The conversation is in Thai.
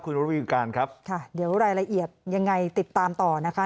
คุณระวีการครับค่ะเดี๋ยวรายละเอียดยังไงติดตามต่อนะคะ